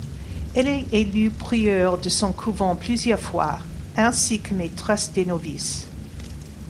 Elle est élue prieure de son couvent plusieurs fois, ainsi que maitresse des novices.